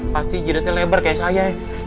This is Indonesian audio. pasti giretnya lebar kayak saya ya